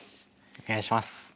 お願いします。